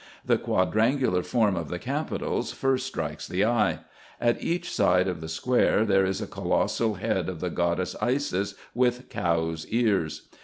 The quadrangular form of the capitals first strikes the eye. At each side of the square there is a colossal head of the goddess Isis with cows' ears.